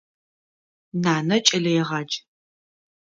Нанэ кӏэлэегъадж.